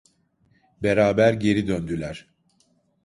Beraber geri döndüler.